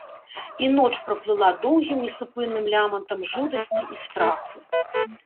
І ноч праплыла доўгім несупынным лямантам жудасці і страху.